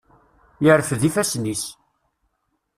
Yerfed ifassen-is.